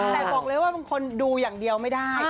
แต่บอกเลยว่าบางคนดูอย่างเดียวไม่ได้